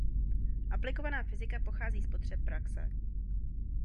Aplikovaná fyzika vychází z potřeb praxe.